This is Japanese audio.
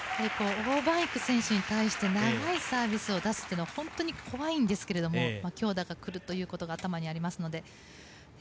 オウ・マンイク選手に対して長いサービスを出すというのは本当に怖いんですけど強打がくるということが頭にありますので。